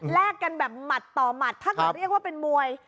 กันแบบหมัดต่อหมัดถ้าเกิดเรียกว่าเป็นมวย